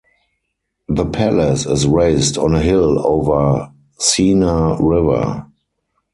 The palace is raised on a hill over Sena river.